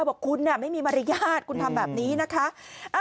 บอกคุณไม่มีมารยาทคุณทำแบบนี้นะคะ